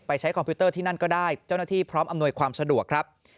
ใช้คอมพิวเตอร์ที่นั่นก็ได้เจ้าหน้าที่พร้อมอำนวยความสะดวกครับ